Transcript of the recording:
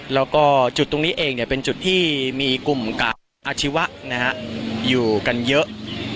แล้วก็จุดตรงนี้เองเป็นจุดที่มีกลุ่มกาดอาชีวะอยู่กันเยอะ